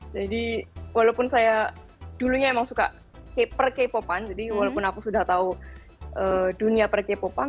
jadi walaupun saya dulunya emang suka per k popan jadi walaupun aku sudah tahu dunia per k popan